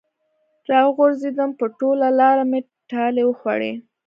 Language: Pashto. راغورځېدم په ټوله لاره مې ټالۍ وخوړې